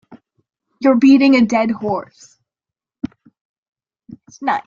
You're beating a dead horse